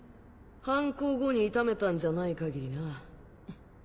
犯行後に痛めたんじゃない限りな。